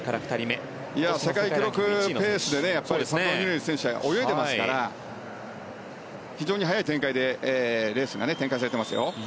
世界記録ペースでやっぱりパルトリニエリ選手は泳いでますから非常に速い展開でレースが展開されてますよ。